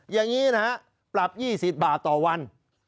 อย่างนี้นะฮะปรับ๒๐บาทต่อวัน